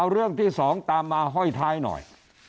เอาเรื่องที่๒ตามมาห้อยท้ายหน่อย